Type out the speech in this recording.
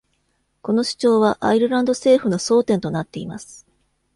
この主張はアイルランド政府の争点となっています。